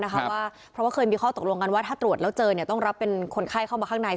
เพราะว่าเคยมีข้อตกลงกันว่าถ้าตรวจแล้วเจอต้องรับเป็นคนไข้เข้ามาข้างใน